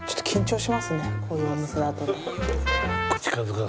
こういうお店だと。